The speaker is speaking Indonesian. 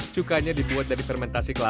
cukanya dibuat dari fermentasi kelapa